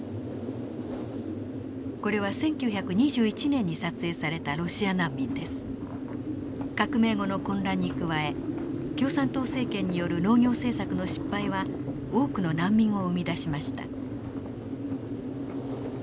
これは１９２１年に撮影された革命後の混乱に加え共産党政権による農業政策の失敗は多くの難民を生み出しました。